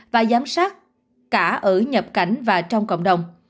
và giám sát cả ở nhập cảnh và trong cộng đồng